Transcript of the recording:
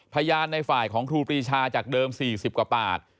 พยานในฝ่ายของครูปรีชาจากเดิม๔๐กว่าปาก